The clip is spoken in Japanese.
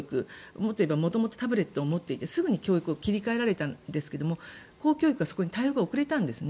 もっといえば元々タブレットを持っていてすぐに切り替えられたんですが公教育はそこに対応が遅れたんですね。